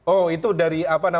oh itu dari apa namanya